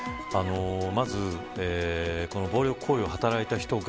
まず、この暴力行為を働いた人が